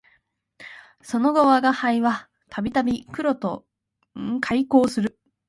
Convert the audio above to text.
その後吾輩は度々黒と邂逅する